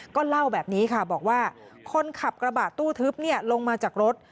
ก็เล่าแบบนี้ค่ะบอกว่าคนขับกระบะตู้ทึบลงมาจากรถ